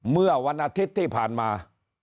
เมื่อวันอาทิตย์ที่ผ่านมา